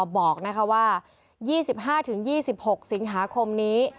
บอกนะคะว่า๒๕๒๖ศีลหาคมนี้